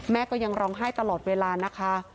แม่ก็ยังร้องไห้ตลอดเวลานะคะ